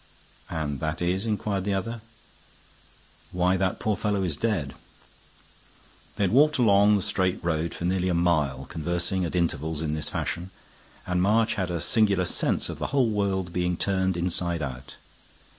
"And that is?" inquired the other. "Why that poor fellow is dead." They had walked along the straight road for nearly a mile, conversing at intervals in this fashion; and March had a singular sense of the whole world being turned inside out.